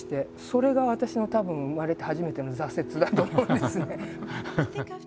それが私のたぶん生まれて初めての挫折だと思うんですね。